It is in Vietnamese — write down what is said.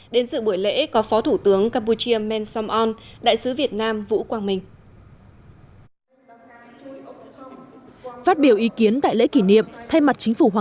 đến sự buổi lễ có phó thủ tướng campuchia men sam an đại sứ việt nam vũ quang minh